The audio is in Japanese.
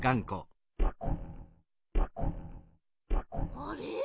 あれ？